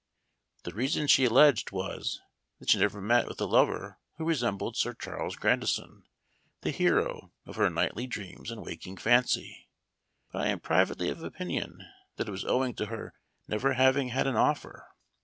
The reason she alleged was that she never met with a lover who resembled Sir Charles Grandison, the hero of her nightly dreams and waking fancy ; but I am privately of opinion that it was owing to her never having had an offer.